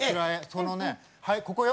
そのねはいここよ！